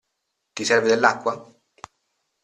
Ti serve dell'acqua?